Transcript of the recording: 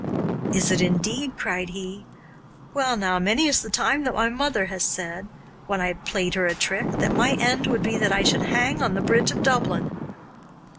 'Is it indeed?' cried he. 'Well, now, many is the time that my mother has said, when I played her a trick, that my end would be that I should hang on the bridge of Dublin.